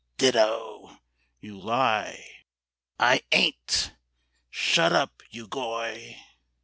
"Ditto." "You lie." "I ain't." "Shut up, you goy!"